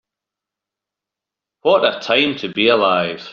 What a time to be alive.